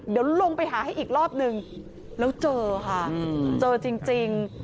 เดี๋ยวลงไปหาให้อีกรอบนึงแล้วเจอค่ะเจอจริง